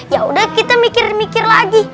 ya udah kita mikir mikir lagi